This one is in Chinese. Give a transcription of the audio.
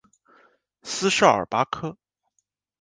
斯绍尔巴克。